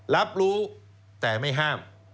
รับรู้แต่ไม่ห้าม